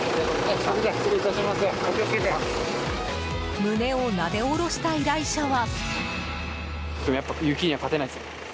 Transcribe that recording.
胸をなで下ろした依頼者は。